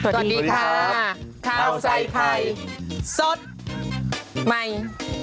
สวัสดีค่ะข้าวใส่ไข่สดใหม่